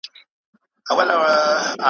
د پیر نیکونه ټول غوثان تېر سوي `